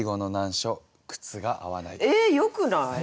よくない？